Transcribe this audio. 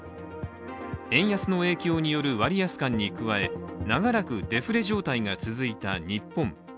円安の影響による割安感に加え長らくデフレ状態が続いた日本。